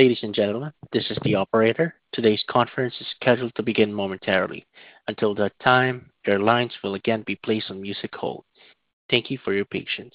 Ladies and gentlemen, this is the operator. Today's conference is scheduled to begin momentarily. Until that time, your lines will again be placed on music hold. Thank you for your patience.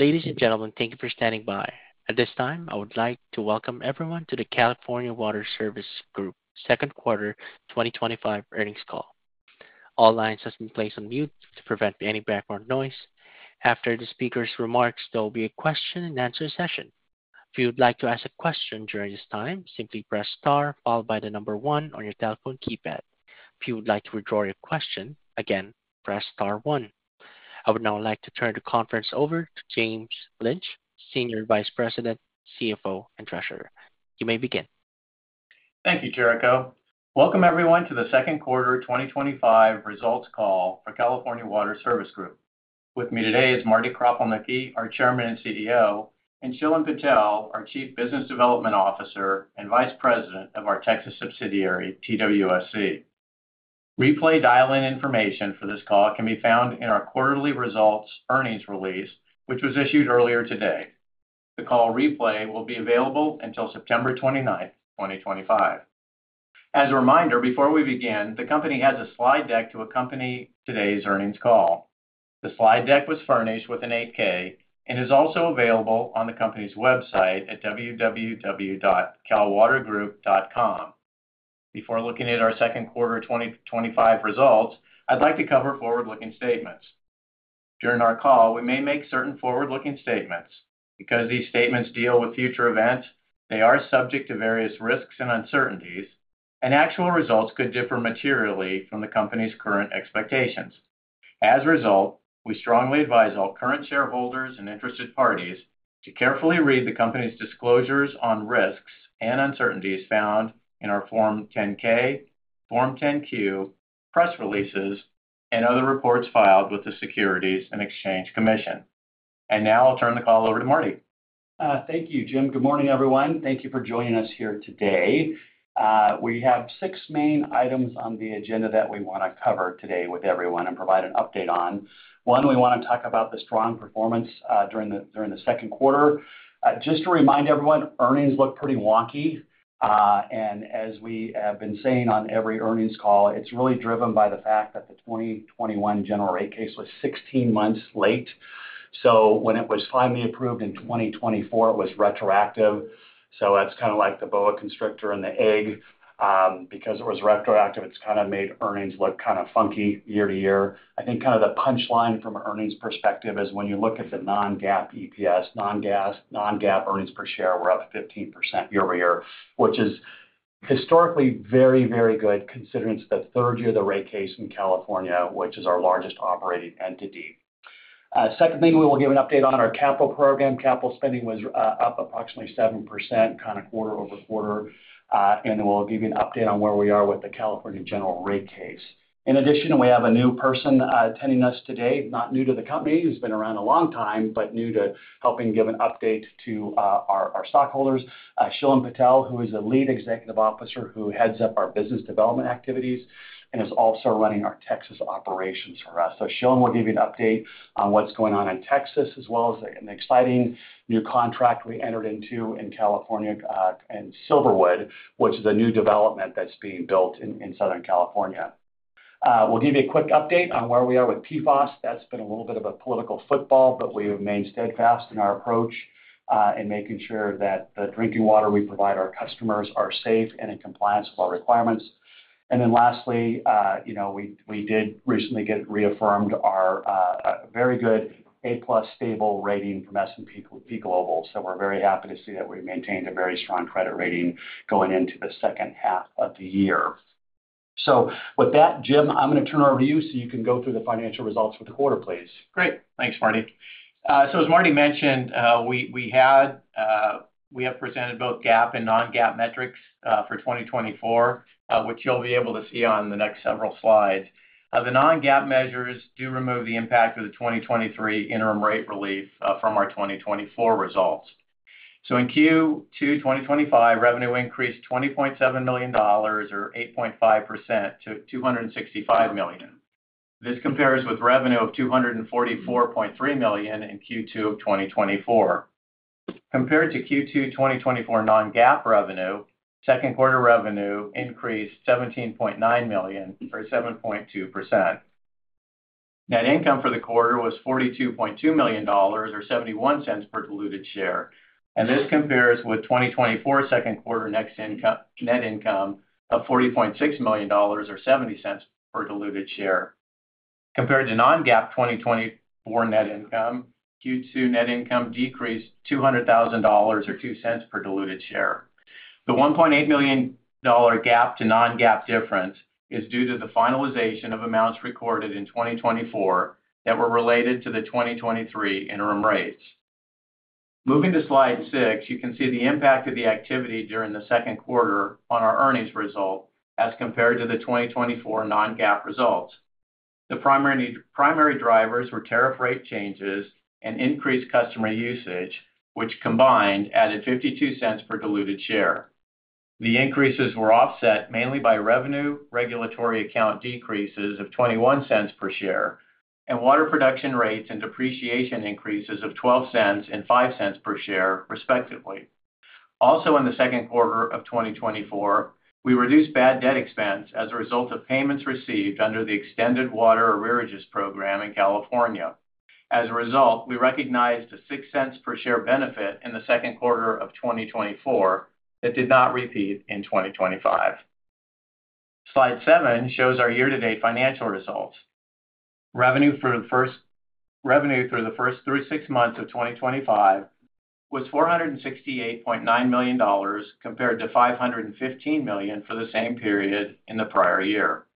Ladies and gentlemen, thank you for standing by. At this time, I would like to welcome everyone to the California Water Service Group's second quarter 2025 earnings call. All lines have been placed on mute to prevent any background noise. After the speaker's remarks, there will be a question and answer session. If you would like to ask a question during this time, simply press star followed by the number one on your telephone keypad. If you would like to withdraw your question, again, press star one. I would now like to turn the conference over to James Lynch, Senior Vice President, CFO, and Treasurer. You may begin. Thank you, Jericho. Welcome everyone to the second quarter 2025 results call for California Water Service Group. With me today is Marty Kropelnicki, our Chairman and CEO, and Shilen Patel, our Chief Business Development Officer and Vice President of our Texas subsidiary, TWSC. Replay dial-in information for this call can be found in our quarterly results earnings release, which was issued earlier today. The call replay will be available until September 29, 2025. As a reminder, before we begin, the company has a slide deck to accompany today's earnings call. The slide deck was furnished with an 8-K and is also available on the company's website at www.calwatergroup.com. Before looking at our second quarter 2025 results, I'd like to cover forward-looking statements. During our call, we may make certain forward-looking statements. Because these statements deal with future events, they are subject to various risks and uncertainties, and actual results could differ materially from the company's current expectations. As a result, we strongly advise all current shareholders and interested parties to carefully read the company's disclosures on risks and uncertainties found in our Form 10-K, Form 10-Q, press releases, and other reports filed with the Securities and Exchange Commission. Now I'll turn the call over to Marty. Thank you, Jim. Good morning, everyone. Thank you for joining us here today. We have six main items on the agenda that we want to cover today with everyone and provide an update on. One, we want to talk about the strong performance during the second quarter. Just to remind everyone, earnings look pretty wonky. As we have been saying on every earnings call, it's really driven by the fact that the 2021 general rate case was 16 months late. When it was finally approved in 2024, it was retroactive. That's kind of like the boa constrictor and the egg. Because it was retroactive, it's kind of made earnings look kind of funky year-to-year. I think kind of the punchline from an earnings perspective is when you look at the non-GAAP EPS, non-GAAP earnings per share, we're up 15% year-over-year, which is historically very, very good considering it's the third year of the rate case in California, which is our largest operating entity. Secondly, we will give an update on our capital program. Capital spending was up approximately 7%, kind of quarter-over-quarter. Then we'll give you an update on where we are with the California general rate case. In addition, we have a new person attending us today, not new to the company, who's been around a long time, but new to helping give an update to our stockholders, Shilen Patel, who is the lead executive officer who heads up our business development activities and is also running our Texas operations for us. Shilen will give you an update on what's going on in Texas, as well as an exciting new contract we entered into in California in Silverwood, which is a new development that's being built in Southern California. We'll give you a quick update on where we are with PFOS. That's been a little bit of a political football, but we have remained steadfast in our approach in making sure that the drinking water we provide our customers is safe and in compliance with our requirements. Lastly, you know, we did recently get reaffirmed our very good A-plus stable rating from S&P Global. We're very happy to see that we maintained a very strong credit rating going into the second half of the year. With that, Jim, I'm going to turn it over to you so you can go through the financial results for the quarter, please. Great. Thanks, Marty. As Marty mentioned, we have presented both GAAP and non-GAAP metrics for 2024, which you'll be able to see on the next several slides. The non-GAAP measures do remove the impact of the 2023 interim rate relief from our 2024 results. In Q2 2025, revenue increased $20.7 million, or 8.5%, to $265 million. This compares with revenue of $244.3 million in Q2 of 2024. Compared to Q2 2024 non-GAAP revenue, second quarter revenue increased $17.9 million, or 7.2%. Net income for the quarter was $42.2 million, or $0.71 per diluted share. This compares with 2024 second quarter net income of $40.6 million, or $0.70 per diluted share. Compared to non-GAAP 2024 net income, Q2 net income decreased $200,000, or $0.02 per diluted share. The $1.8 million GAAP to non-GAAP difference is due to the finalization of amounts recorded in 2024 that were related to the 2023 interim rates. Moving to slide six, you can see the impact of the activity during the second quarter on our earnings result as compared to the 2024 non-GAAP results. The primary drivers were tariff rate changes and increased customer usage, which combined added $0.52 per diluted share. The increases were offset mainly by revenue regulatory account decreases of $0.21 per share and water production rates and depreciation increases of $0.12 and $0.05 per share, respectively. Also, in the second quarter of 2024, we reduced bad debt expense as a result of payments received under the Extended Water Arrearages Program in California. As a result, we recognized a $0.06 per share benefit in the second quarter of 2024 that did not repeat in 2025. Slide seven shows our year-to-date financial results. Revenue through the first six months of 2025 was $468.9 million compared to $515 million for the same period in the prior year.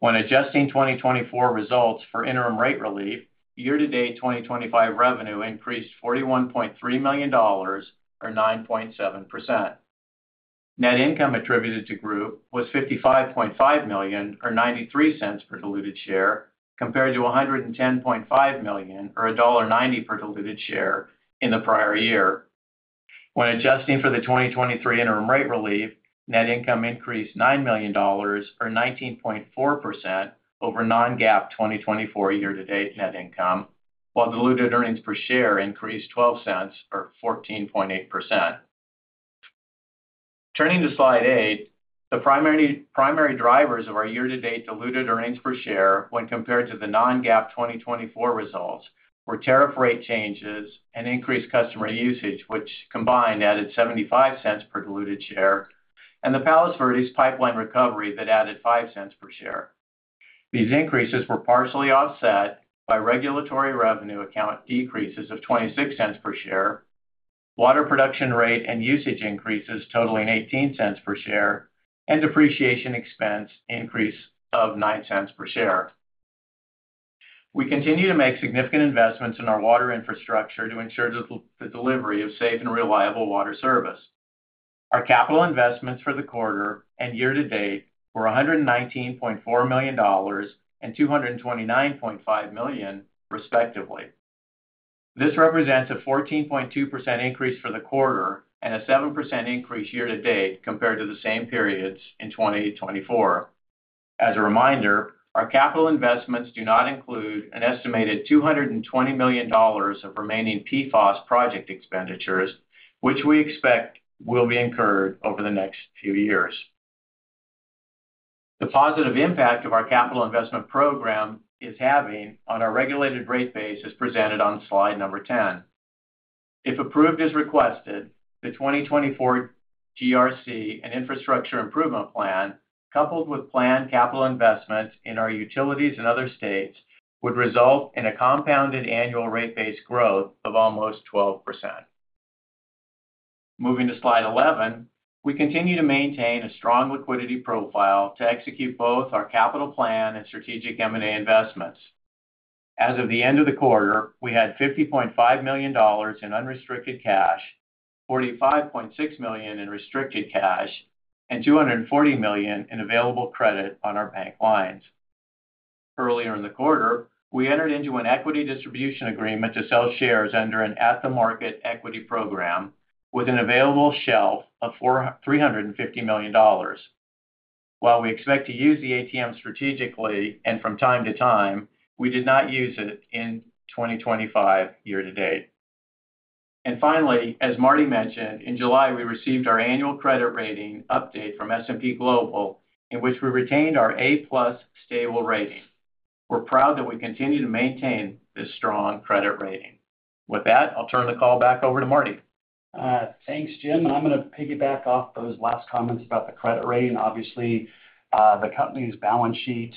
When adjusting 2024 results for interim rate relief, year-to-date 2025 revenue increased $41.3 million, or 9.7%. Net income attributed to the group was $55.5 million, or $0.93 per diluted share, compared to $110.5 million, or $1.90 per diluted share in the prior year. When adjusting for the 2023 interim rate relief, net income increased $9 million, or 19.4% over non-GAAP 2024 year-to-date net income, while diluted earnings per share increased $0.12 or 14.8%. Turning to slide eight, the primary drivers of our year-to-date diluted earnings per share when compared to the non-GAAP 2024 results were tariff rate changes and increased customer usage, which combined added $0.75 per diluted share, and the Palos Verdes pipeline recovery that added $0.05 per share. These increases were partially offset by regulatory revenue account decreases of $0.26 per share, water production rate and usage increases totaling $0.18 per share, and depreciation expense increased of $0.09 per share. We continue to make significant investments in our water infrastructure to ensure the delivery of safe and reliable water service. Our capital investments for the quarter and year-to-date were $119.4 million and $229.5 million, respectively. This represents a 14.2% increase for the quarter and a 7% increase year-to-date compared to the same periods in 2024. As a reminder, our capital investments do not include an estimated $220 million of remaining PFOS project expenditures, which we expect will be incurred over the next few years. The positive impact of our capital investment program is having on our regulated rate base as presented on slide number 10. If approved as requested, the 2024 GRC and Infrastructure Improvement Plan, coupled with planned capital investments in our utilities and other states, would result in a compounded annual rate-based growth of almost 12%. Moving to slide 11, we continue to maintain a strong liquidity profile to execute both our capital plan and strategic M&A investments. As of the end of the quarter, we had $50.5 million in unrestricted cash, $45.6 million in restricted cash, and $240 million in available credit on our bank lines. Earlier in the quarter, we entered into an equity distribution agreement to sell shares under an at-the-market equity program with an available shelf of $350 million. While we expect to use the ATM strategically and from time to time, we did not use it in 2025 year-to-date. Finally, as Marty mentioned, in July, we received our annual credit rating update from S&P Global, in which we retained our A-plus stable rating. We're proud that we continue to maintain this strong credit rating. With that, I'll turn the call back over to Marty. Thanks, Jim. I'm going to piggyback off those last comments about the credit rating. Obviously, the company's balance sheet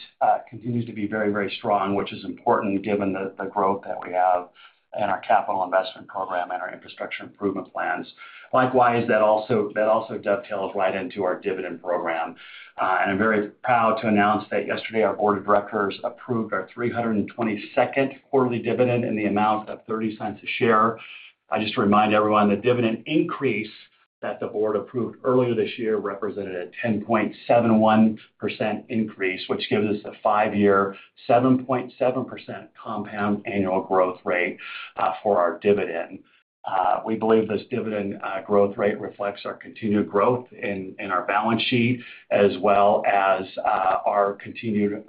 continues to be very, very strong, which is important given the growth that we have in our capital investment program and our infrastructure improvement plans. Likewise, that also dovetails right into our dividend program. I'm very proud to announce that yesterday our Board of Directors approved our 322nd quarterly dividend in the amount of $0.30 a share. Just to remind everyone, the dividend increase that the Board approved earlier this year represented a 10.71% increase, which gives us a five-year 7.7% CAGR for our dividend. We believe this dividend growth rate reflects our continued growth in our balance sheet, as well as our continued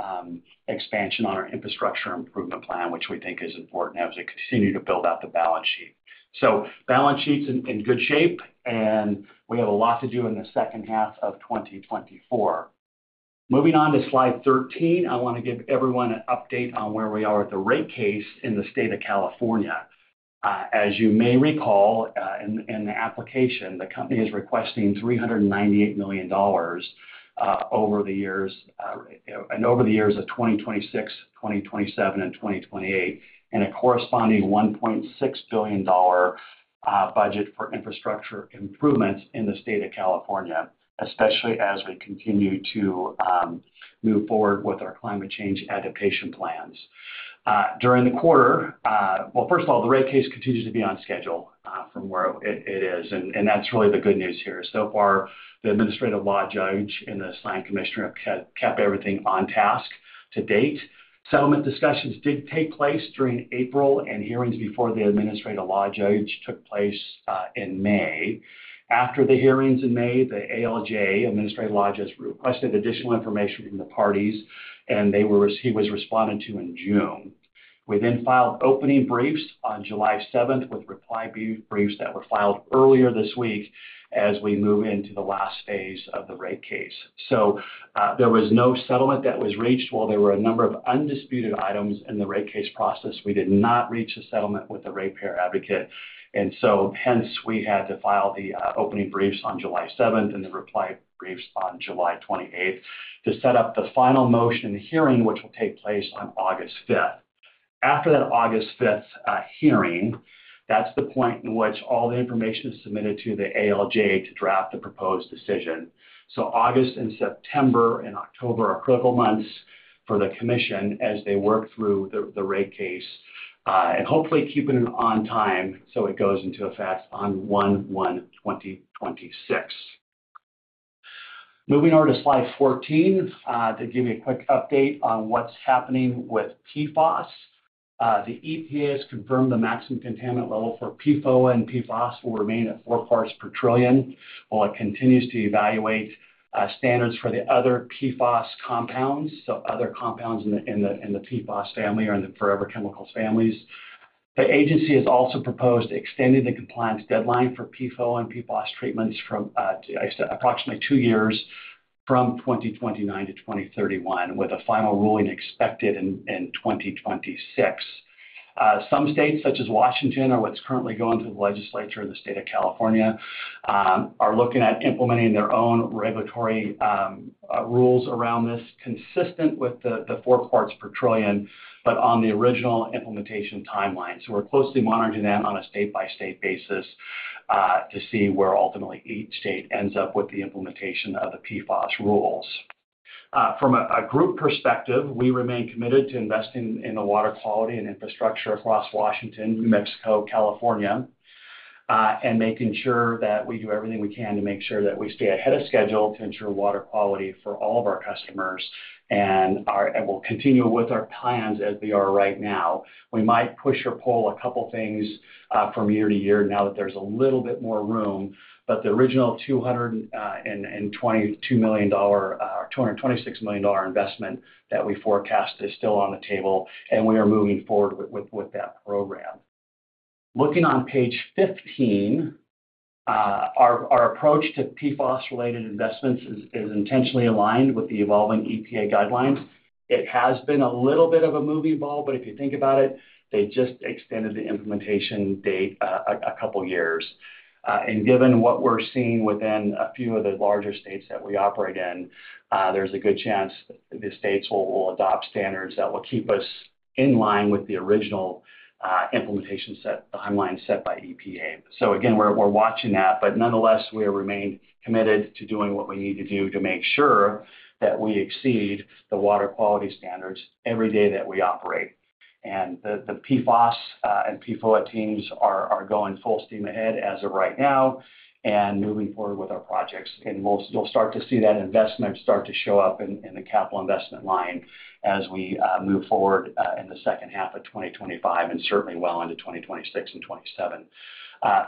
expansion on our infrastructure improvement plan, which we think is important as we continue to build out the balance sheet. The balance sheet's in good shape, and we have a lot to do in the second half of 2024. Moving on to slide 13, I want to give everyone an update on where we are with the rate case in the state of California. As you may recall, in the application, the company is requesting $398 million over the years of 2026, 2027, and 2028, and a corresponding $1.6 billion budget for infrastructure improvements in the state of California, especially as we continue to move forward with our climate change adaptation plans. During the quarter, the rate case continues to be on schedule from where it is, and that's really the good news here. So far, the Administrative Law Judge and the assigned commissioner have kept everything on task to date. Settlement discussions did take place during April, and hearings before the Administrative Law Judge took place in May. After the hearings in May, the Administrative Law Judge requested additional information from the parties, and he was responded to in June. We then filed opening briefs on July 7 with reply briefs that were filed earlier this week as we move into the last phase of the rate case. There was no settlement that was reached. While there were a number of undisputed items in the rate case process, we did not reach a settlement with the ratepayer advocate. Hence, we had to file the opening briefs on July 7 and the reply briefs on July 28 to set up the final motion in the hearing, which will take place on August 5. After that August 5th hearing, that's the point in which all the information is submitted to the ALJ to draft the proposed decision. August, September, and October are critical months for the commission as they work through the rate case and hopefully keep it on time so it goes into effect on 1/1/2026. Moving over to slide 14 to give you a quick update on what's happening with PFOS. The EPA has confirmed the maximum contaminant level for PFOA, and PFOS will remain at four parts per trillion, while it continues to evaluate standards for the other PFOS compounds. Other compounds in the PFOS family or in the forever chemicals families are also being considered. The agency has also proposed extending the compliance deadline for PFOA and PFOS treatments from approximately two years from 2029-2031, with a final ruling expected in 2026. Some states, such as Washington, or what's currently going through the legislature in the state of California, are looking at implementing their own regulatory rules around this, consistent with the four parts per trillion, but on the original implementation timeline. We are closely monitoring that on a state-by-state basis to see where ultimately each state ends up with the implementation of the PFOS rules. From a group perspective, we remain committed to investing in the water quality and infrastructure across Washington, New Mexico, and California, making sure that we do everything we can to make sure that we stay ahead of schedule to ensure water quality for all of our customers. We'll continue with our plans as they are right now. We might push or pull a couple of things from year-toyear now that there's a little bit more room, but the original $222 million or $226 million investment that we forecast is still on the table, and we are moving forward with that program. Looking on page 15, our approach to PFOS-related investments is intentionally aligned with the evolving EPA guidelines. It has been a little bit of a moving ball, but if you think about it, they just extended the implementation date a couple of years. Given what we're seeing within a few of the larger states that we operate in, there's a good chance the states will adopt standards that will keep us in line with the original implementation timeline set by EPA. We are watching that, but nonetheless, we remain committed to doing what we need to do to make sure that we exceed the water quality standards every day that we operate. The PFOS and PFOA teams are going full steam ahead as of right now and moving forward with our projects. You'll start to see that investment start to show up in the capital investment line as we move forward in the second half of 2025 and certainly well into 2026 and 2027.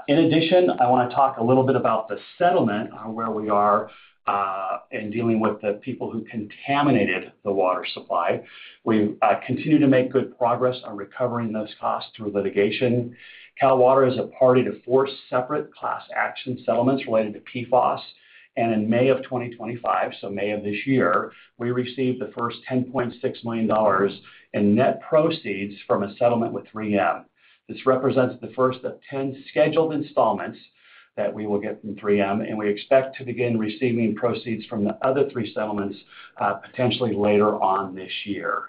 In addition, I want to talk a little bit about the settlement on where we are in dealing with the people who contaminated the water supply. We continue to make good progress on recovering those costs through litigation. CalWater is a party to four separate class action settlements related to PFOS. In May of 2025, so May of this year, we received the first $10.6 million in net proceeds from a settlement with 3M. This represents the first of 10 scheduled installments that we will get from 3M, and we expect to begin receiving proceeds from the other three settlements potentially later on this year.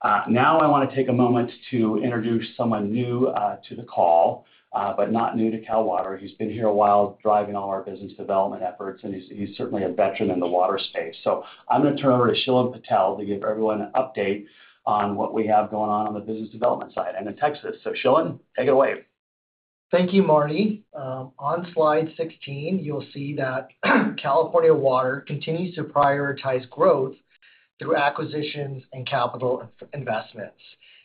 I want to take a moment to introduce someone new to the call, but not new to CalWater. He's been here a while driving all our business development efforts, and he's certainly a veteran in the water space. I'm going to turn it over to Shilen Patel to give everyone an update on what we have going on on the business development side and in Texas. Shilen, take it away. Thank you, Marty. On slide 16, you'll see that California Water Service Group continues to prioritize growth through acquisitions and capital investments.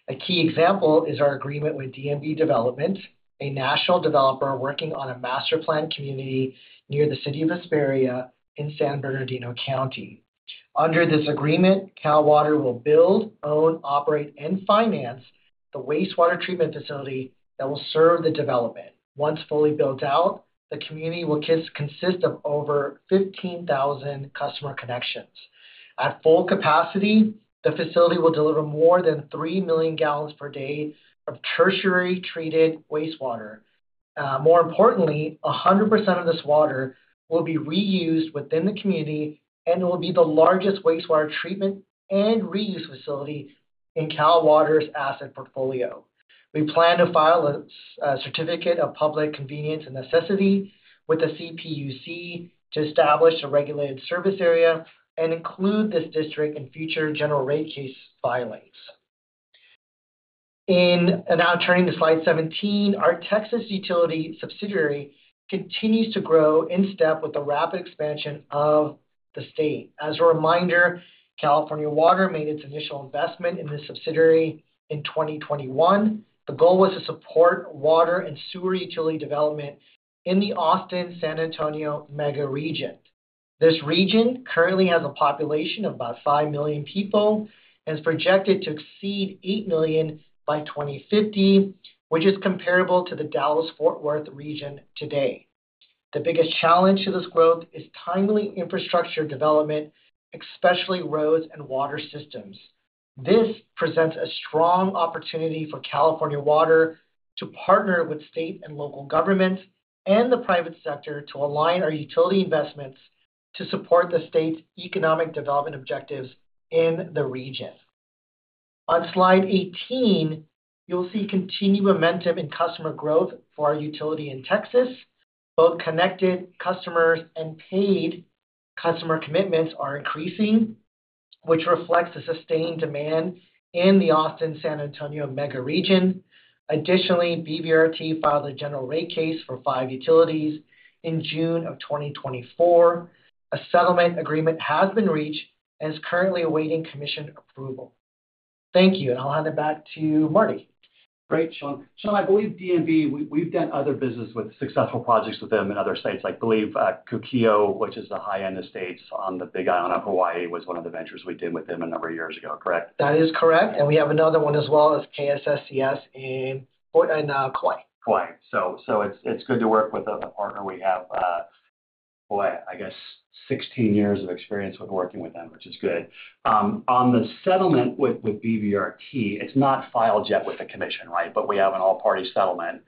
A key example is our agreement with DMB Development, a national developer working on a master plan community near the city of Hesperia in San Bernardino County. Under this agreement, CalWater will build, own, operate, and finance the wastewater treatment facility that will serve the development. Once fully built out, the community will consist of over 15,000 customer connections. At full capacity, the facility will deliver more than 3 million gal per day of tertiary treated wastewater. More importantly, 100% of this water will be reused within the community, and it will be the largest wastewater treatment and reuse facility in CalWater's asset portfolio. We plan to file a certificate of public convenience and necessity with the CPUC to establish a regulated service area and include this district in future general rate case filings. Now turning to slide 17, our Texas utility subsidiary continues to grow in step with the rapid expansion of the state. As a reminder, California Water Service Group made its initial investment in this subsidiary in 2021. The goal was to support water and sewer utility development in the Austin-San Antonio mega region. This region currently has a population of about 5 million people and is projected to exceed 8 million by 2050, which is comparable to the Dallas-Fort Worth region today. The biggest challenge to this growth is timely infrastructure development, especially roads and water systems. This presents a strong opportunity for California Water Service Group to partner with state and local governments and the private sector to align our utility investments to support the state's economic development objectives in the region. On slide 18, you'll see continued momentum in customer growth for our utility in Texas. Both connected customers and paid customer commitments are increasing, which reflects the sustained demand in the Austin-San Antonio mega region. Additionally, TWSC filed a general rate case for five utilities in June 2024. A settlement agreement has been reached and is currently awaiting commission approval. Thank you. I'll hand it back to Marty. Great, Shilen. Shilen, I believe DMB, we've done other business with successful projects with them in other states. I believe Kūkiʻo, which is the high-end estates on the Big Island of Hawaii, was one of the ventures we did with them a number of years ago, correct? That is correct. We have another one as well as KSSCS in Kauai. It's good to work with a partner. We have, I guess, 16 years of experience with working with them, which is good. On the settlement with BBRT, it's not filed yet with the commission, right? We have an all-party settlement.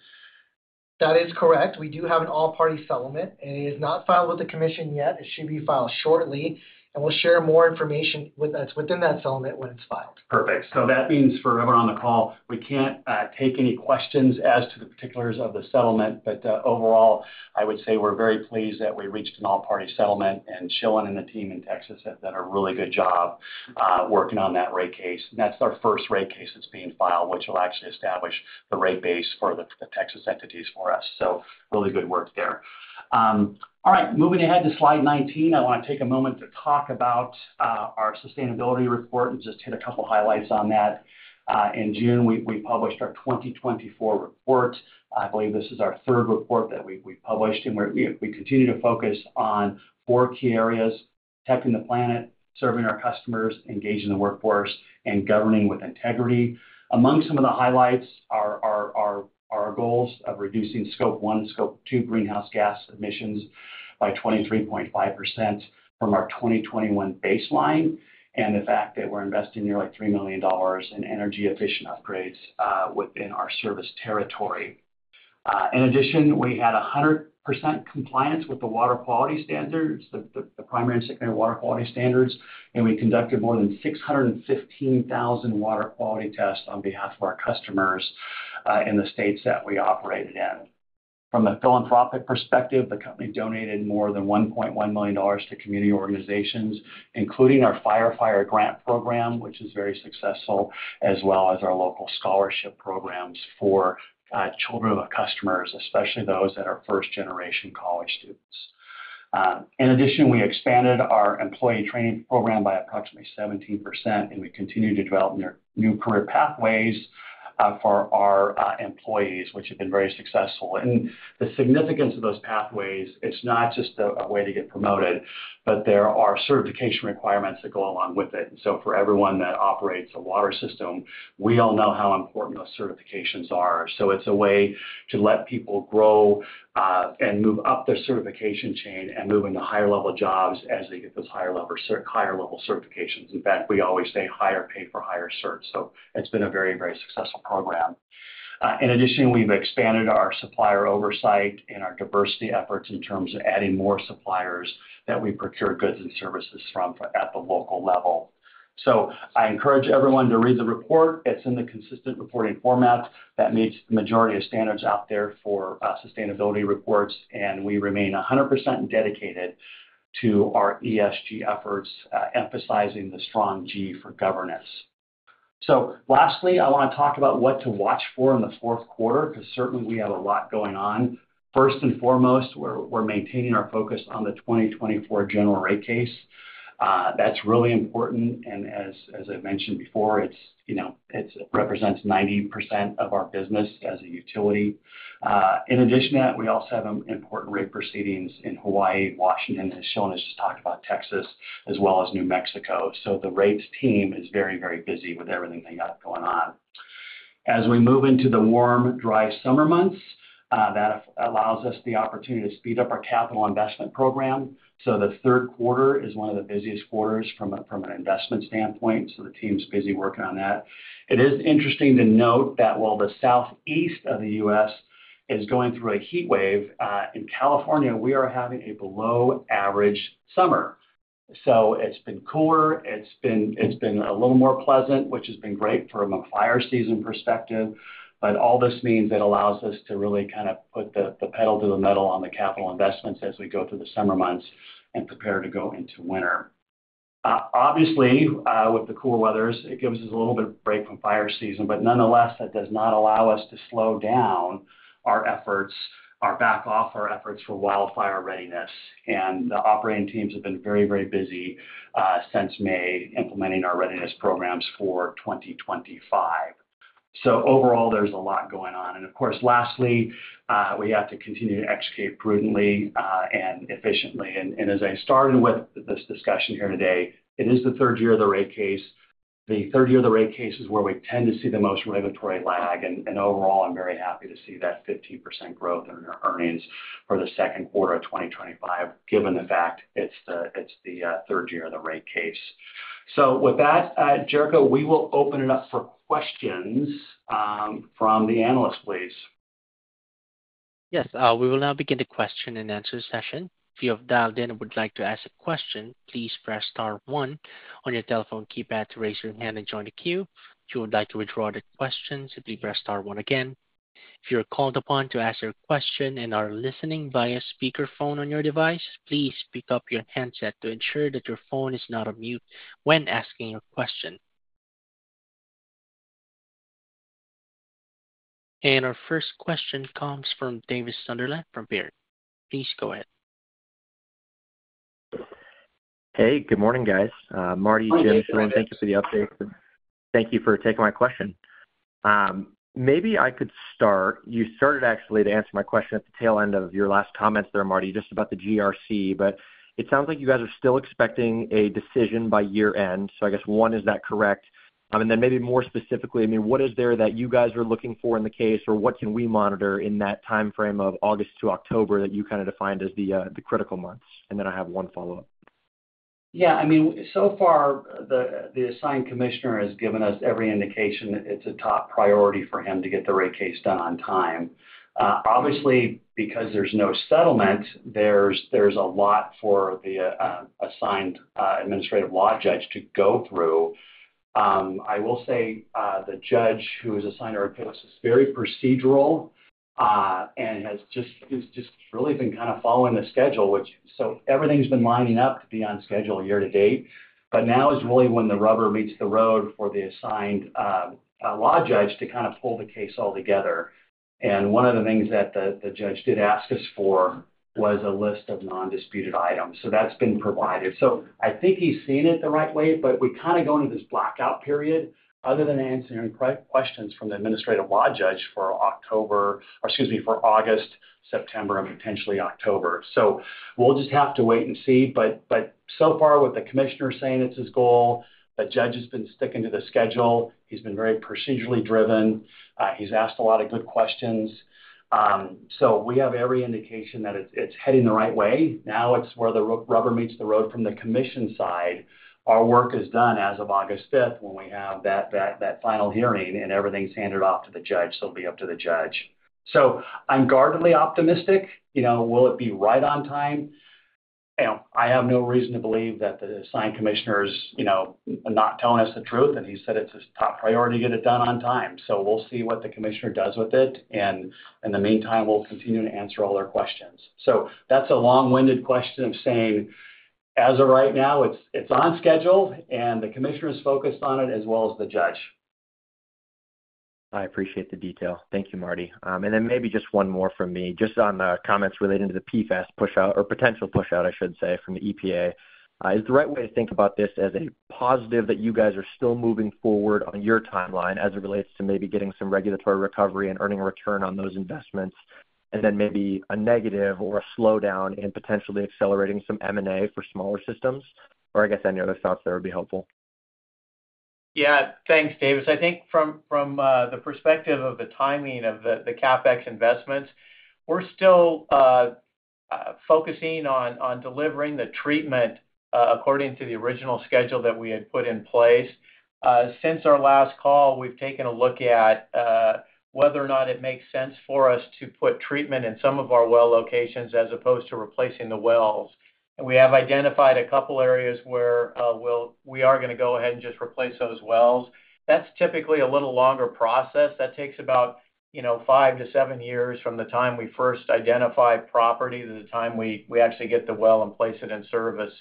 That is correct. We do have an all-party settlement, and it is not filed with the commission yet. It should be filed shortly, and we'll share more information with you within that settlement when it's filed. Perfect. That means for everyone on the call, we can't take any questions as to the particulars of the settlement. Overall, I would say we're very pleased that we reached an all-party settlement, and Shilen and the team in Texas have done a really good job working on that rate case. That's our first rate case that's being filed, which will actually establish the rate base for the Texas entities for us. Really good work there. Moving ahead to slide 19, I want to take a moment to talk about our sustainability report and just hit a couple of highlights on that. In June, we published our 2024 report. I believe this is our third report that we've published, and we continue to focus on four key areas: protecting the planet, serving our customers, engaging the workforce, and governing with integrity. Among some of the highlights are our goals of reducing Scope 1, Scope 2 greenhouse gas emissions by 23.5% from our 2021 baseline and the fact that we're investing nearly $3 million in energy-efficient upgrades within our service territory. In addition, we had 100% compliance with the water quality standards, the primary and secondary water quality standards, and we conducted more than 615,000 water quality tests on behalf of our customers in the states that we operated in. From a philanthropic perspective, the company donated more than $1.1 million to community organizations, including our Firefighter grant program, which is very successful, as well as our local scholarship programs for children of our customers, especially those that are first-generation college students. In addition, we expanded our employee training program by approximately 17%, and we continue to develop new career pathways for our employees, which have been very successful. The significance of those pathways is not just a way to get promoted, but there are certification requirements that go along with it. For everyone that operates a water system, we all know how important those certifications are. It's a way to let people grow and move up their certification chain and move into higher-level jobs as they get those higher-level certifications. In fact, we always say, "Hire, pay for higher certs." It's been a very, very successful program. In addition, we've expanded our supplier oversight and our diversity efforts in terms of adding more suppliers that we procure goods and services from at the local level. I encourage everyone to read the report. It's in the consistent reporting format that meets the majority of standards out there for sustainability reports, and we remain 100% dedicated to our ESG efforts, emphasizing the strong G for governance. Lastly, I want to talk about what to watch for in the fourth quarter because certainly we have a lot going on. First and foremost, we're maintaining our focus on the 2024 general rate case. That's really important. As I mentioned before, it represents 90% of our business as a utility. In addition to that, we also have important rate proceedings in Hawaii, Washington, as Shilen has just talked about, Texas, as well as New Mexico. The rates team is very, very busy with everything they got going on. As we move into the warm, dry summer months, that allows us the opportunity to speed up our capital investment program. The third quarter is one of the busiest quarters from an investment standpoint. The team's busy working on that. It is interesting to note that while the southeast of the U.S. is going through a heat wave, in California, we are having a below-average summer. It's been cooler. It's been a little more pleasant, which has been great from a fire season perspective. All this means it allows us to really kind of put the pedal to the metal on the capital investments as we go through the summer months and prepare to go into winter. Obviously, with the cooler weather, it gives us a little bit of a break from fire season. Nonetheless, that does not allow us to slow down our efforts or back off our efforts for wildfire readiness. The operating teams have been very, very busy since May implementing our readiness programs for 2025. Overall, there's a lot going on. Lastly, we have to continue to execute prudently and efficiently. As I started with this discussion here today, it is the third year of the rate case. The third year of the rate case is where we tend to see the most regulatory lag. Overall, I'm very happy to see that 15% growth in earnings for the second quarter of 2025, given the fact it's the third year of the rate case. With that, Jericho, we will open it up for questions from the analyst, please. Yes. We will now begin the question-and-answer session. If you have dialed in and would like to ask a question, please press star one on your telephone keypad to raise your hand and join the queue. If you would like to withdraw the question, simply press star one again. If you are called upon to ask your question and are listening via speakerphone on your device, please pick up your headset to ensure that your phone is not on mute when asking your question. Our first question comes from Davis Sunderland from Baird. Please go ahead. Hey, good morning, guys. Marty, Jim, Shilen, thank you for the update. Thank you for taking my question. Maybe I could start. You started actually to answer my question at the tail end of your last comments there, Marty, just about the GRC. It sounds like you guys are still expecting a decision by year end. I guess, one, is that correct? Maybe more specifically, what is there that you guys are looking for in the case or what can we monitor in that timeframe of August to October that you kind of defined as the critical months? I have one follow-up. Yeah. So far, the assigned commissioner has given us every indication it's a top priority for him to get the rate case done on time. Obviously, because there's no settlement, there's a lot for the assigned administrative law judge to go through. I will say the judge who is assigned to our case is very procedural and has just really been kind of following the schedule, so everything's been lining up to be on schedule year-to-date. Now is really when the rubber meets the road for the assigned law judge to kind of pull the case all together. One of the things that the judge did ask us for was a list of non-disputed items. That's been provided. I think he's seen it the right way, but we kind of go into this blackout period other than answering questions from the administrative law judge for August, September, and potentially October. We'll just have to wait and see. So far, what the commissioner is saying is his goal. The judge has been sticking to the schedule. He's been very procedurally driven. He's asked a lot of good questions. We have every indication that it's heading the right way. Now it's where the rubber meets the road from the commission side. Our work is done as of August 5th when we have that final hearing, and everything's handed off to the judge. It'll be up to the judge. I'm guardedly optimistic. Will it be right on time? I have no reason to believe that the assigned commissioner is not telling us the truth. He said it's his top priority to get it done on time. We'll see what the commissioner does with it. In the meantime, we'll continue to answer all their questions. That's a long-winded question of saying, as of right now, it's on schedule, and the commissioner is focused on it as well as the judge. I appreciate the detail. Thank you, Marty. Maybe just one more from me, just on the comments relating to the PFOS/PFOA push-out or potential push-out, I should say, from the EPA. Is the right way to think about this as a positive that you guys are still moving forward on your timeline as it relates to maybe getting some regulatory recovery and earning a return on those investments, and then maybe a negative or a slowdown in potentially accelerating some M&A for smaller systems? I guess any other thoughts there would be helpful. Yeah. Thanks, David. I think from the perspective of the timing of the CapEx investments, we're still focusing on delivering the treatment according to the original schedule that we had put in place. Since our last call, we've taken a look at whether or not it makes sense for us to put treatment in some of our well locations as opposed to replacing the wells. We have identified a couple of areas where we are going to go ahead and just replace those wells. That's typically a little longer process. That takes about five to seven years from the time we first identify property to the time we actually get the well and place it in service.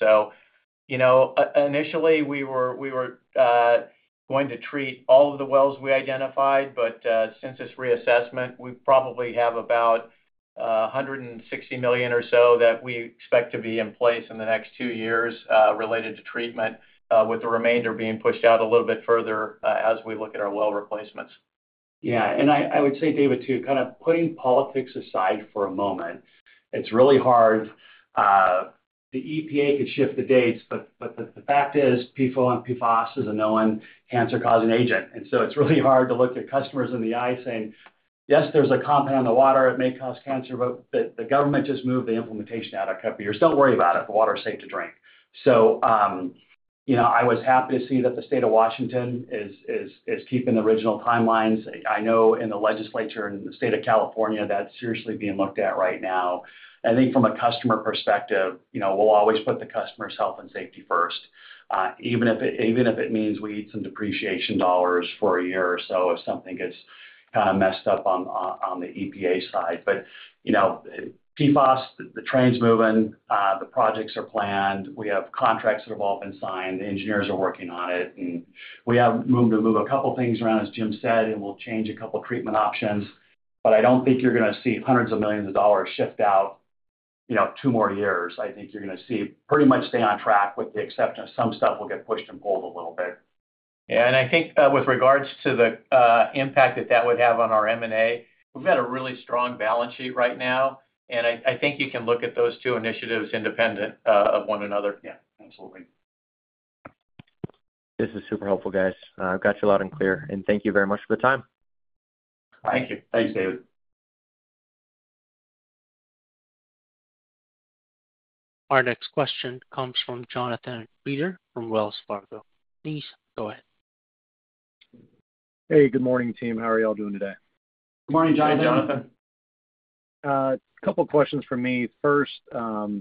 Initially, we were going to treat all of the wells we identified. Since this reassessment, we probably have about $160 million or so that we expect to be in place in the next two years related to treatment, with the remainder being pushed out a little bit further as we look at our well replacements. Yeah. I would say, David, too, kind of putting politics aside for a moment, it's really hard. The EPA could shift the dates, but the fact is PFOS is a known cancer-causing agent. It's really hard to look at customers in the eye saying, "Yes, there's a compound in the water. It may cause cancer, but the government just moved the implementation out a couple of years. Don't worry about it. The water is safe to drink." I was happy to see that the state of Washington is keeping the original timelines. I know in the legislature in the state of California, that's seriously being looked at right now. I think from a customer perspective, we'll always put the customer's health and safety first, even if it means we eat some depreciation dollars for a year or so if something gets kind of messed up on the EPA side. PFOS, the train's moving. The projects are planned. We have contracts that have all been signed. The engineers are working on it. We have room to move a couple of things around, as Jim said, and we'll change a couple of treatment options. I don't think you're going to see hundreds of millions of dollars shift out two more years. I think you're going to see pretty much stay on track with the exception of some stuff will get pushed and pulled a little bit. I think with regards to the impact that that would have on our M&A, we've got a really strong balance sheet right now. I think you can look at those two initiatives independent of one another. Absolutely. This is super helpful, guys. I've got you loud and clear. Thank you very much for the time. Thank you. Thanks, David. Our next question comes from Jonathan Reeder from Wells Fargo. Please go ahead. Hey, good morning, team. How are y'all doing today? Good morning, Jonathan. A couple of questions from me. First, the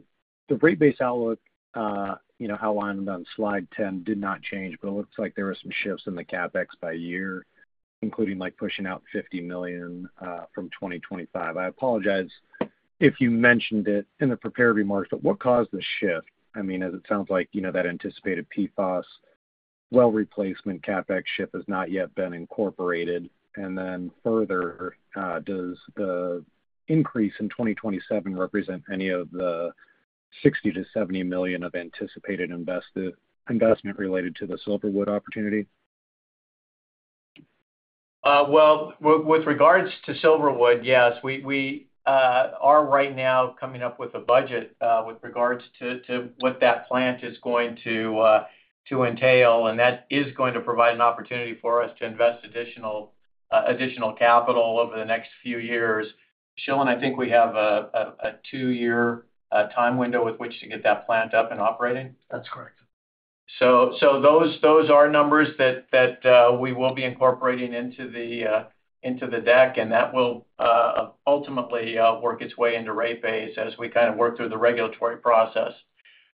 rate-based outlook, you know, how I'm on slide 10 did not change, but it looks like there were some shifts in the CapEx by year, including like pushing out $50 million from 2025. I apologize if you mentioned it in the prepared remarks, but what caused the shift? I mean, as it sounds like, you know, that anticipated PFOS well replacement CapEx shift has not yet been incorporated. Further, does the increase in 2027 represent any of the $60 million-$70 million of anticipated investment related to the Silverwood opportunity? With regards to Silverwood, yes, we are right now coming up with a budget with regards to what that plant is going to entail. That is going to provide an opportunity for us to invest additional capital over the next few years. Shilen, I think we have a two-year time window with which to get that plant up and operating. That's correct. Those are numbers that we will be incorporating into the deck, and that will ultimately work its way into rate base as we kind of work through the regulatory process.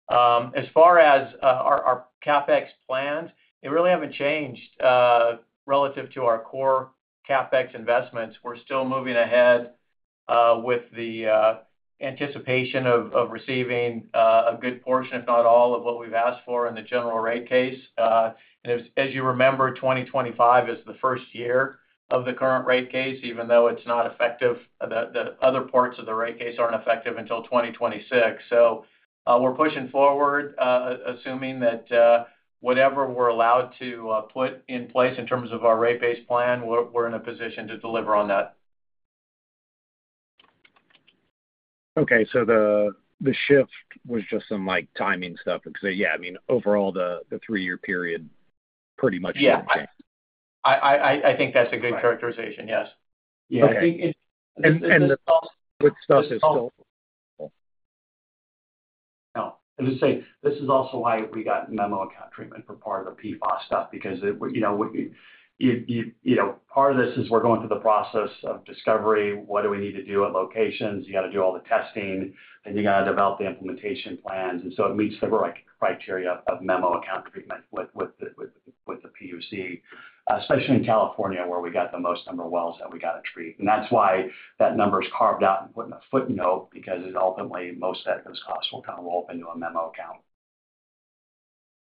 As far as our CapEx plans, they really haven't changed relative to our core CapEx investments. We're still moving ahead with the anticipation of receiving a good portion, if not all, of what we've asked for in the general rate case. As you remember, 2025 is the first year of the current rate case, even though it's not effective. The other parts of the rate case aren't effective until 2026. We're pushing forward, assuming that whatever we're allowed to put in place in terms of our rate-based plan, we're in a position to deliver on that. Okay, the shift was just some timing stuff. Yeah, I mean, overall, the three-year period pretty much didn't change. Yeah, I think that's a good characterization. Yes. Yeah. This is also why we got memo account treatment for part of the PFOS stuff because part of this is we're going through the process of discovery. What do we need to do at locations? You got to do all the testing, and you got to develop the implementation plans. It meets the criteria of memo account treatment with the PUC, especially in California, where we got the most number of wells that we got to treat. That's why that number is carved out and put in a footnote because ultimately, most of those costs will kind of roll up into a memo account.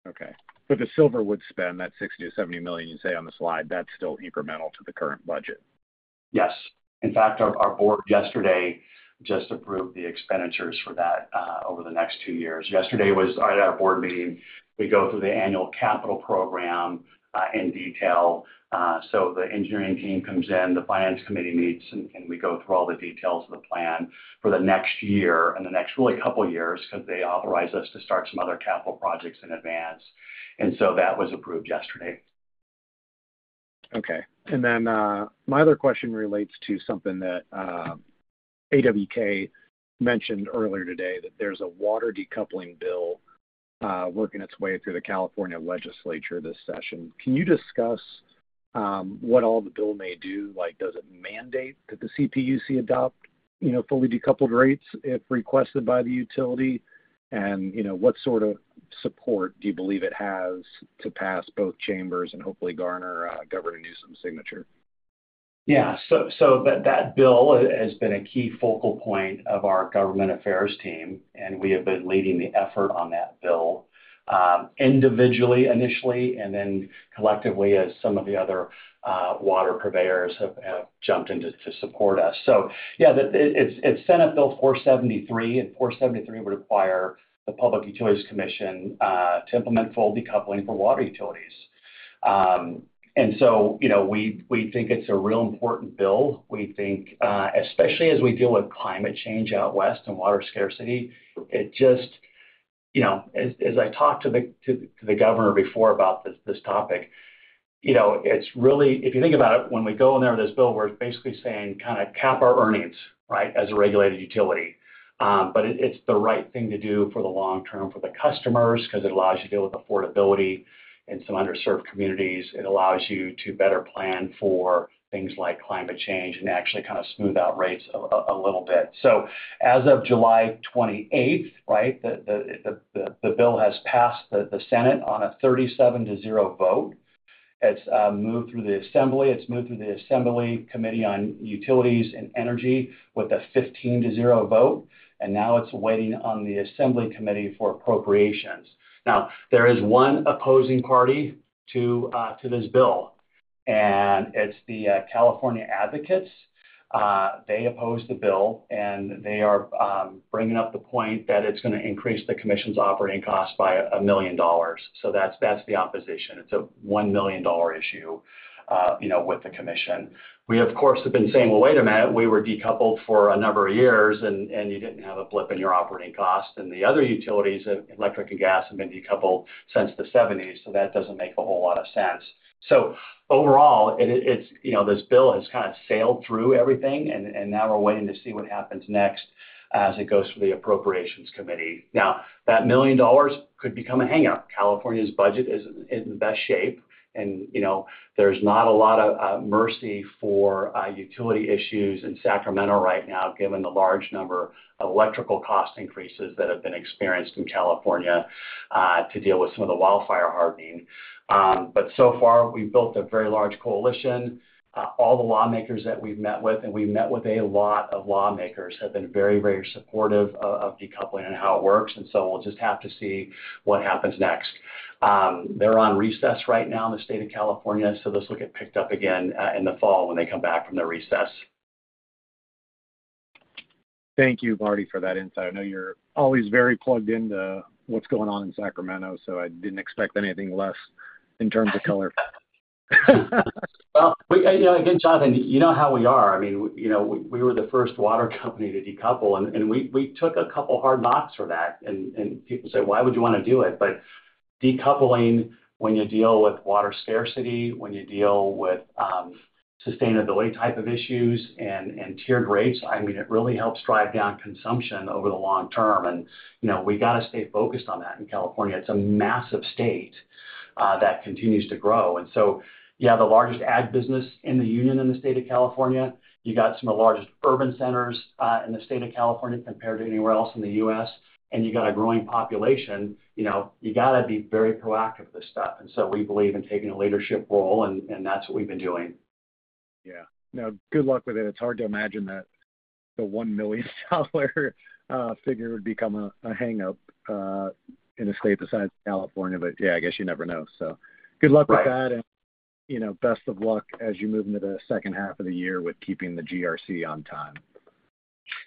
Okay. For the Silverwood spend, that $60 million-$70 million you say on the slide, that's still incremental to the current budget. Yes. In fact, our board yesterday just approved the expenditures for that over the next two years. Yesterday was at our board meeting. We go through the annual capital program in detail. The engineering team comes in, the Finance Committee meets, and we go through all the details of the plan for the next year and the next really couple of years because they authorize us to start some other capital projects in advance. That was approved yesterday. Okay. My other question relates to something that AWK mentioned earlier today, that there's a water decoupling bill working its way through the California legislature this session. Can you discuss what all the bill may do? Does it mandate that the CPUC adopt fully decoupled rates if requested by the utility? What sort of support do you believe it has to pass both chambers and hopefully garner Governor Newsom's signature? Yeah. That bill has been a key focal point of our government affairs team, and we have been leading the effort on that bill individually initially and then collectively as some of the other water purveyors have jumped in to support us. Yeah, it's Senate Bill 473, and 473 would require the Public Utilities Commission to implement full decoupling for water utilities. We think it's a real important bill. We think, especially as we deal with climate change out west and water scarcity, it just, as I talked to the governor before about this topic, it's really, if you think about it, when we go in there with this bill, we're basically saying kind of cap our earnings, right, as a regulated utility. It's the right thing to do for the long term for the customers because it allows you to deal with affordability in some underserved communities. It allows you to better plan for things like climate change and actually kind of smooth out rates a little bit. As of July 28, the bill has passed the Senate on a 37 to 0 vote. It's moved through the Assembly. It's moved through the Assembly Committee on Utilities and Energy with a 15 to 0 vote. Now it's waiting on the Assembly Committee for Appropriations. There is one opposing party to this bill, and it's the California Advocates. They oppose the bill, and they are bringing up the point that it's going to increase the commission's operating costs by $1 million. That's the opposition. It's a $1 million issue with the commission. We, of course, have been saying, "Wait a minute. We were decoupled for a number of years, and you didn't have a blip in your operating costs." The other utilities, electric and gas, have been decoupled since the 1970s. That doesn't make a whole lot of sense. Overall, this bill has kind of sailed through everything, and now we're waiting to see what happens next as it goes through the Appropriations Committee. That $1 million could become a hangup. California's budget isn't in the best shape, and there's not a lot of mercy for utility issues in Sacramento right now, given the large number of electrical cost increases that have been experienced in California to deal with some of the wildfire hardening. So far, we've built a very large coalition. All the lawmakers that we've met with, and we've met with a lot of lawmakers, have been very, very supportive of decoupling and how it works. We'll just have to see what happens next. They're on recess right now in the state of California, so this will get picked up again in the fall when they come back from their recess. Thank you, Marty, for that insight. I know you're always very plugged into what's going on in Sacramento, so I didn't expect anything less in terms of color. Jonathan, you know how we are. I mean, we were the first water company to decouple, and we took a couple of hard knocks for that. People say, "Why would you want to do it?" Decoupling, when you deal with water scarcity, when you deal with sustainability type of issues and tiered rates, really helps drive down consumption over the long term. We got to stay focused on that in California. It's a massive state that continues to grow. The largest ag business in the union is in the state of California, you got some of the largest urban centers in the state of California compared to anywhere else in the U.S., and you got a growing population. You got to be very proactive with this stuff. We believe in taking a leadership role, and that's what we've been doing. Yeah. No, good luck with it. It's hard to imagine that the $1 million figure would become a hangup in a state besides California. I guess you never know. Good luck with that, and best of luck as you move into the second half of the year with keeping the GRC on time.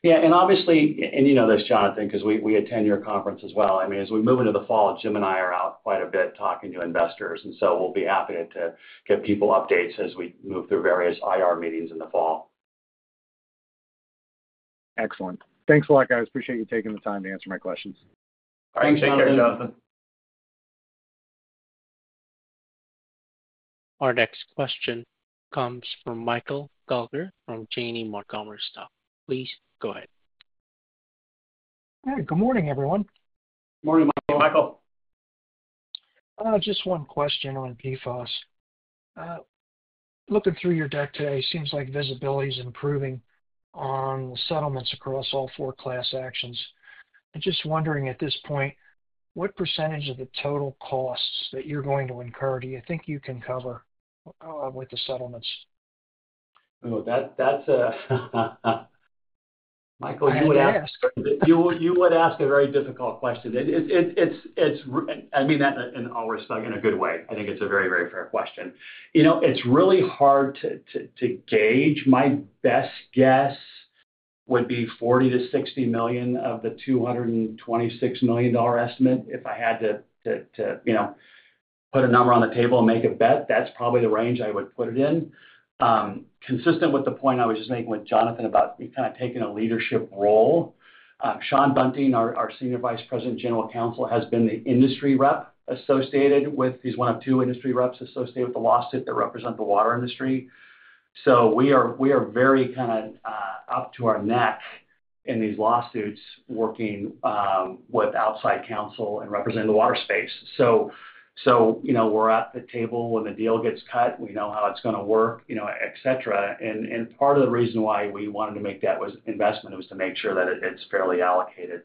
Obviously, you know this, Jonathan, because we attend your conference as well. As we move into the fall, Jim and I are out quite a bit talking to investors. We'll be happy to give people updates as we move through various IR meetings in the fall. Excellent. Thanks a lot, guys. Appreciate you taking the time to answer my questions. All right. Take care, Jonathan. Our next question comes from Michael Galgore from Janney Montgomery Scott. Please go ahead. Good morning, everyone. Morning, Michael. Michael. Just one question on PFOS. Looking through your deck today, it seems like visibility is improving on the settlements across all four class actions. I'm just wondering, at this point, what percentage of the total costs that you're going to incur do you think you can cover with the settlements? Oh, that's a Michael, you would ask a very difficult question. I mean that in all respect, in a good way. I think it's a very, very fair question. It's really hard to gauge. My best guess would be $40 million-$60 million of the $226 million estimate. If I had to put a number on the table and make a bet, that's probably the range I would put it in. Consistent with the point I was just making with Jonathan about kind of taking a leadership role, Shawn Bunting, our Senior Vice President, General Counsel, has been the industry rep associated with, he's one of two industry reps associated with the lawsuit that represent the water industry. We are very kind of up to our neck in these lawsuits working with outside counsel and representing the water space. We're at the table when the deal gets cut. We know how it's going to work, etc. Part of the reason why we wanted to make that investment was to make sure that it's fairly allocated.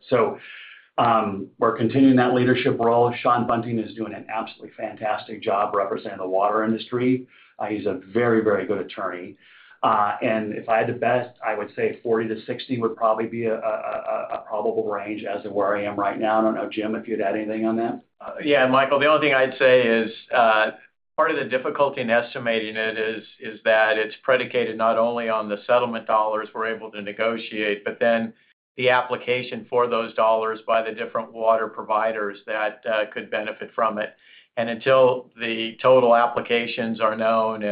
We're continuing that leadership role. Shawn Bunting is doing an absolutely fantastic job representing the water industry. He's a very, very good attorney. If I had to bet, I would say $40 million-$60 million would probably be a probable range as to where I am right now. I don't know, Jim, if you'd add anything on that. Yeah. Michael, the only thing I'd say is part of the difficulty in estimating it is that it's predicated not only on the settlement dollars we're able to negotiate, but then the application for those dollars by the different water providers that could benefit from it. Until the total applications are known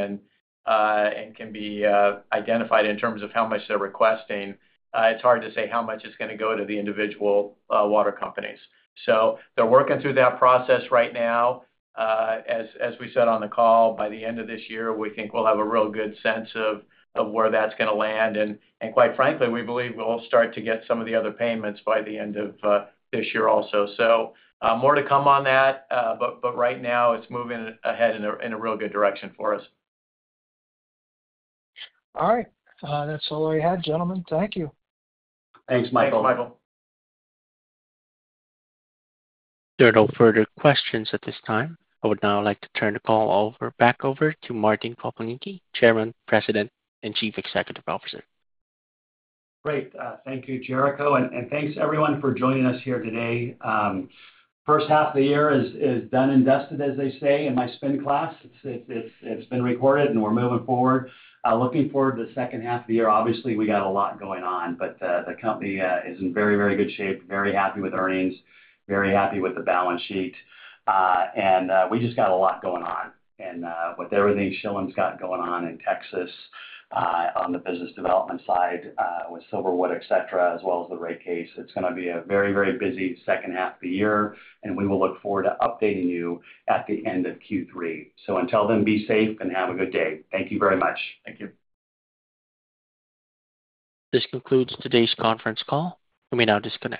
and can be identified in terms of how much they're requesting, it's hard to say how much is going to go to the individual water companies. They're working through that process right now. As we said on the call, by the end of this year, we think we'll have a real good sense of where that's going to land. Quite frankly, we believe we'll start to get some of the other payments by the end of this year also. More to come on that. Right now, it's moving ahead in a real good direction for us. All right. That's all I had, gentlemen. Thank you. Thanks, Michael. Thanks, Michael? There are no further questions at this time. I would now like to turn the call back over to Martin Kropelnicki, Chairman, President, and Chief Executive Officer. Great. Thank you, Jericho. Thank you, everyone, for joining us here today. First half of the year is done and dusted, as they say in my spin class. It's been recorded, and we're moving forward. Looking forward to the second half of the year. Obviously, we got a lot going on, but the company is in very, very good shape, very happy with earnings, very happy with the balance sheet. We just got a lot going on. With everything Shilen's got going on in Texas on the business development side with Silverwood, etc., as well as the rate case, it's going to be a very, very busy second half of the year. We will look forward to updating you at the end of Q3. Until then, be safe and have a good day. Thank you very much. Thank you. This concludes today's conference call. Let me now just turn.